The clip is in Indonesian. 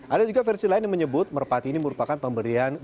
ada juga versi lain yang menyebut merpati ini merupakan pemberian